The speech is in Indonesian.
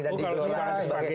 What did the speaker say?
oh kalau gitu pasti